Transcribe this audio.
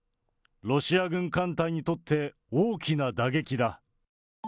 ロシア軍艦隊にとって大きな打撃だ。